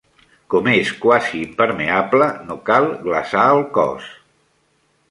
Com és quasi impermeable, no cal glaçar el cos.